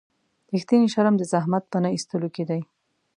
رښتینی شرم د زحمت په نه ایستلو کې دی.